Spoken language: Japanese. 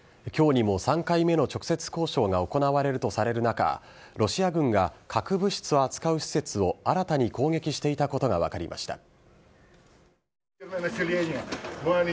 きょうにも３回目の直接交渉が行われるとされる中、ロシア軍が核物質を扱う施設を新たに攻撃していたことが分かりました。